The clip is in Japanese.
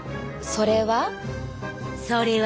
それは。